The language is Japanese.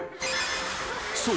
［そう。